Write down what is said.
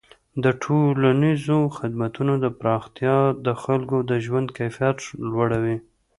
د ټولنیزو خدمتونو پراختیا د خلکو د ژوند کیفیت لوړوي.